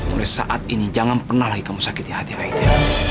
oleh saat ini jangan pernah lagi kamu sakitin hati ayuda